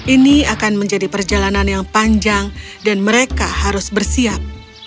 ini akan menjadi perjalanan yang panjang dan mereka harus bersiap